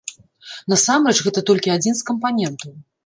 Насамрэч, гэта толькі адзін з кампанентаў.